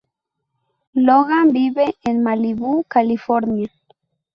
Logan vive en Malibú, California.